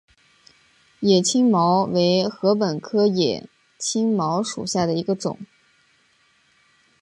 野青茅为禾本科野青茅属下的一个种。